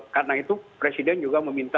karena itu presiden juga meminta